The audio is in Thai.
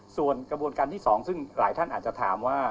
ส่วนกระบวนการที่๒ซึ่งหลายท่านอาจจะถามว่า